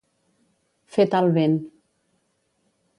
Fer tal vent.